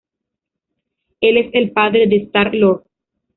Él es el padre de Star-Lord.